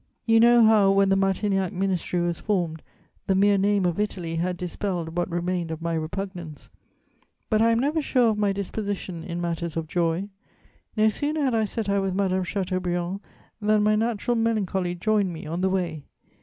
You know how, when the Martignac Ministry was formed, the mere name of Italy had dispelled what remained of my repugnance; but I am never sure of my disposition in matters of joy: no sooner had I set out with Madame Chateaubriand than my natural melancholy joined me on the way.